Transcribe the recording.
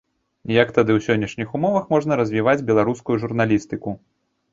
Як тады ў сённяшніх умовах можна развіваць беларускую журналістыку?